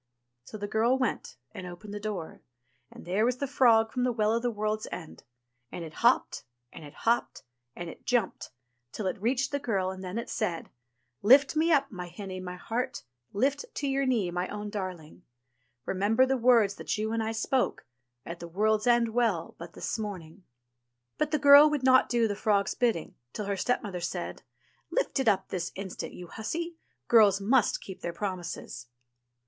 So the girl went and opened the door, and there was the frog from the Well of the World's End. And it hopped, and it hopped, and it jumped, till it reached the girl, and then it said : "Lift me up, my hinny, my heart, Lift to your knee, my own darling; Remember the words that you and I spoke, At the World's End Well but this morning." 2 A 354 ENGLISH FAIRY TALES But the girl would not do the frog's bidding, till her step mother said, "Lift it up this instant, you hussy I Girls must keep their promises